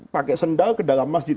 pakai sendal ke dalam masjid